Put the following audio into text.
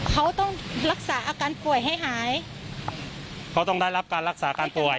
เขาต้องรักษาอาการป่วยให้หายเขาต้องได้รับการรักษาการป่วย